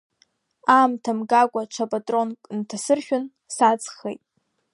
Аамҭа мгакәа ҽа патронак нҭасыршәын, саҵхеит.